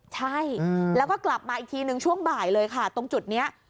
ใช่แล้วก็กลับมาอีกทีนึงช่วงบ่ายเลยค่ะตรงจุดนี้